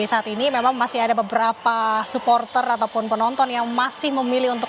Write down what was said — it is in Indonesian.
saat ini memang masih ada beberapa supporter ataupun penonton yang masih memilih untuk